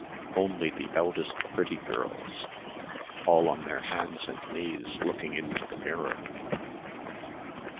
... Only the eldest pretty girls ... all on their hands and knees looking into the mirror....